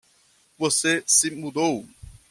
Você se mudou